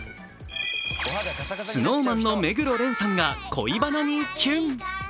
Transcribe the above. ＳｎｏｗＭａｎの目黒蓮さんが恋バナにキュン。